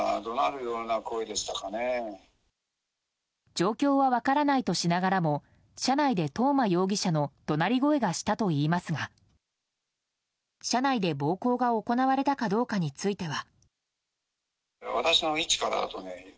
状況は分からないとしながらも車内で、東間容疑者の怒鳴り声がしたといいますが車内で暴行が行われたかどうかについては。